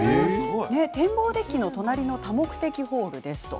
展望デッキの隣の多目的ホールです。